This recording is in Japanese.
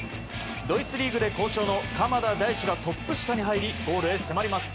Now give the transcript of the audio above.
ドイツリーグで好調の鎌田大地がトップ下に入りゴールへ迫ります。